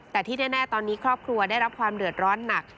แต่ที่แน่ตอนนี้ครอบครัวได้รับความเดือดร้อนหนัก